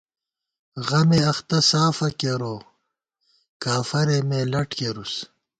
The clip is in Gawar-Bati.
غمےاختہ سافہ کېروؤ کافَرے مے لٹ کېرُس